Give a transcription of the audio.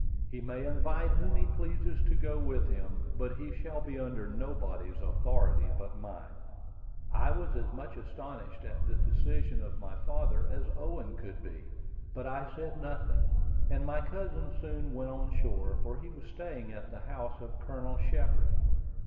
He may invite whom he pleases to go with him. But he shall be under nobody's authority but mine." I was as much astonished at the decision of my father as Owen could be; but I said nothing, and my cousin soon went on shore, for he was staying at the house of Colonel Shepard.